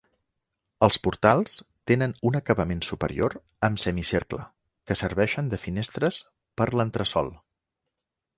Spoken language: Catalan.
Els portals tenen un acabament superior amb semicercle que serveixen de finestres per l'entresòl.